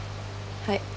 はい。